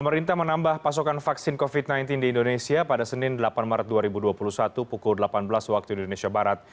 pemerintah menambah pasokan vaksin covid sembilan belas di indonesia pada senin delapan maret dua ribu dua puluh satu pukul delapan belas waktu indonesia barat